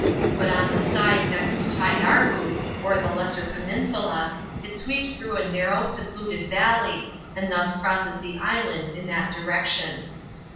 But on the side next Taiarboo, or the lesser peninsula, it sweeps through a narrow, secluded valley, and thus crosses the island in that direction.